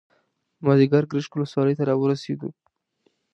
مازیګر ګرشک ولسوالۍ ته راورسېدو.